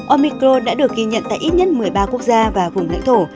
omicron đã được ghi nhận tại ít nhất một mươi ba quốc gia và vùng nãy thổ